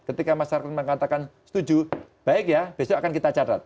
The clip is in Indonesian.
ketika masyarakat mengatakan setuju baik ya besok akan kita catat